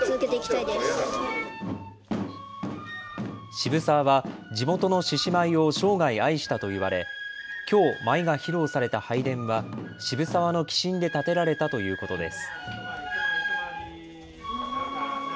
渋沢は地元の獅子舞を生涯愛したといわれ、きょう、舞が披露された拝殿は渋沢の寄進で建てられたということです。